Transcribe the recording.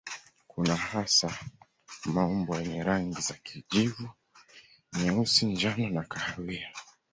Kuna hasa maumbo yenye rangi za kijivu, nyeusi, njano na kahawia.